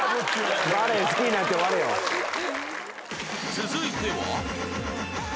［続いては］